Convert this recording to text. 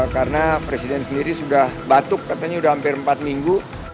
karena presiden sendiri sudah batuk katanya sudah hampir empat minggu